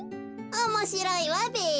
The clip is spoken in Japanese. おもしろいわべ。